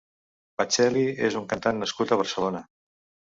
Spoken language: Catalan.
Bacchelli és un cantant nascut a Barcelona.